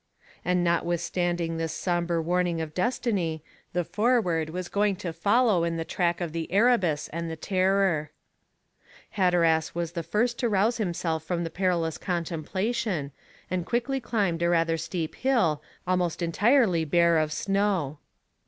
And notwithstanding this sombre warning of destiny, the Forward was going to follow in the track of the Erebus and the Terror. Hatteras was the first to rouse himself from the perilous contemplation, and quickly climbed a rather steep hill, almost entirely bare of snow.